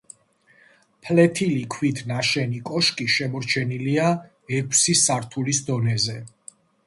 ფლეთილი ქვით ნაშენი კოშკი შემორჩენილია ექვსი სართულის დონეზე.